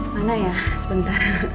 mana ya sebentar